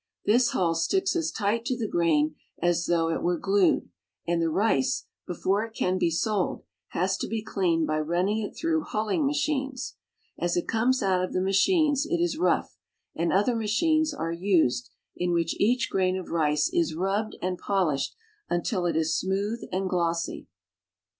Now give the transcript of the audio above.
This hull sticks as tight to the grain as though it were glued, and the rice, before it can be sold, has to be cleaned by running it through huUing machines. As it comes out of the machines it is rough, and other machines are used, in which each grain of rice is rubbed and polished until it is smooth and glossy.